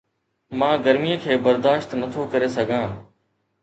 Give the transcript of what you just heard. مان گرميءَ کي برداشت نٿو ڪري سگهان